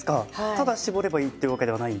ただ絞ればいいってわけではない？